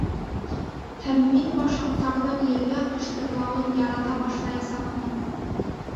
Һәм мин башаҡтарҙың елгә ҡыштырлауын ярата башлаясаҡмын...